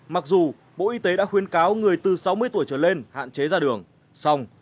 mặc dù bộ y tế đã khuyên cáo người từ sáu mươi tuổi trở lên hạn chế ra đường